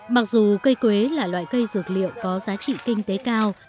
mặc dù cây quế là loại cây dược liệu có giá trị kinh tế cao